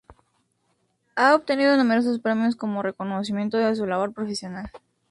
Ha obtenido numerosos premios como reconocimiento de su labor profesional.